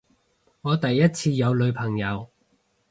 我第一次有女朋友